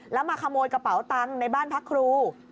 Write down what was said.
แล้วมาขโมยกระเป๋าตังค์ในบ้านพักครู